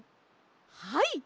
はい！